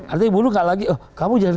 artinya buruh tidak lagi oh kamu jangan